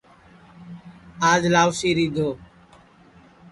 آج لاؤسی رِیدھو